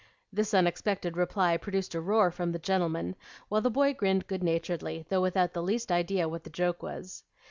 This unexpected reply produced a roar from the gentlemen, while the boy grinned good naturedly, though without the least idea what the joke was.